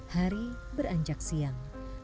hari beranjak siang